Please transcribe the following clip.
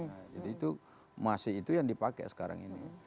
jadi itu masih itu yang dipakai sekarang ini